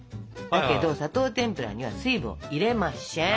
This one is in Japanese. だけど砂糖てんぷらには水分を入れましぇん。